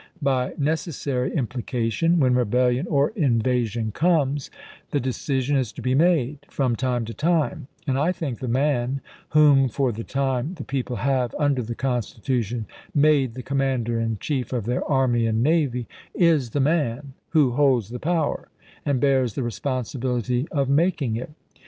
By necessary implication, when rebellion VALLANDIGHAM 353 or invasion comes, the decision is to be made, from time chap, xil to time, and I think the man whom, for the time, the people have, under the Constitution, made the Commander in Chief of their army and navy is the man who holds the power, and bears the responsibility of making it.